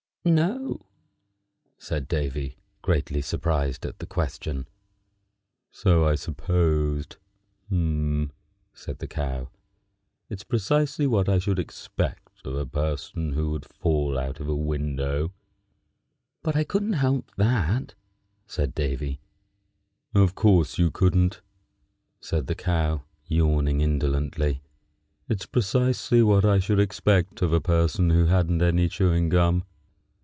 "No," said Davy, greatly surprised at the question. "So I supposed," said the Cow. "It's precisely what I should expect of a person who would fall out of a window." "But I couldn't help that," said Davy. "Of course you couldn't," said the Cow, yawning indolently. "It's precisely what I should expect of a person who hadn't any chewing gum."